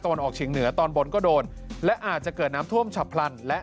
วันออกเฉียงเหนือตอนบนก็โดนและอาจจะเกิดน้ำท่วมฉับพลันและ